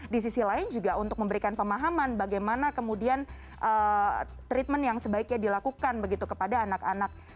di sisi lain juga untuk memberikan pemahaman bagaimana kemudian treatment yang sebaiknya dilakukan begitu kepada anak anak